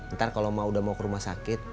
ntar kalau mau udah mau ke rumah sakit